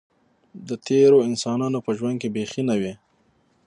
د تېرو انسانانو په ژوند کې بیخي نه وې.